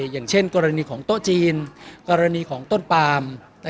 อย่างเช่นกรณีของโต๊ะจีนกรณีของต้นปาม